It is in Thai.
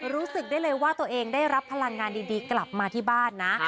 รู้สึกได้เลยว่าตัวเองได้รับพลังงานดีกลับมาที่บ้านนะ